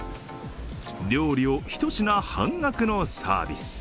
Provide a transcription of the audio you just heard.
料理を一品半額のサービス。